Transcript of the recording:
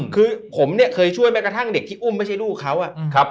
คือผมเนี่ยเคยช่วยแม้กระทั่งเด็กที่อุ้มไม่ใช่ลูกเขา